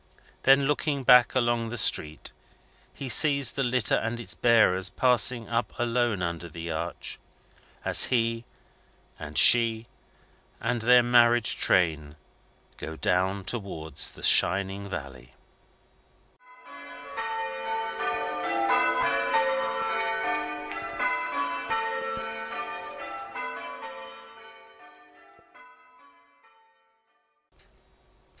Then, looking back along the street, he sees the litter and its bearers passing up alone under the arch, as he and she and their marriage train go down towards the shining valley.